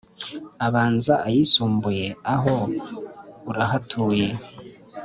Abanza ayisumbuye aho urahatuye